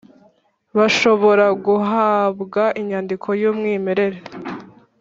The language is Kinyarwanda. bashobora guhabwa inyandiko y umwimerere